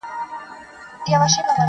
پر کهاله باندي یې زېری د اجل سي؛